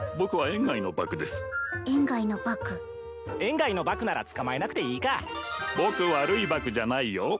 園外のバク園外のバクなら捕まえなくていいか僕悪いバクじゃないよ